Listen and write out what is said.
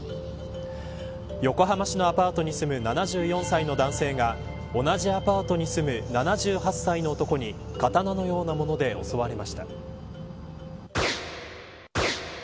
横浜市のアパートに住む７４歳の男性が同じアパートに住む７８歳の男に刀のようなもので襲われました。